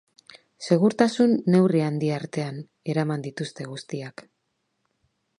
Segurtasun neurri handi artean eraman dituzte guztiak.